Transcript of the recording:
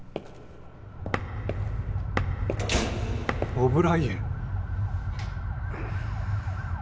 オブライエン。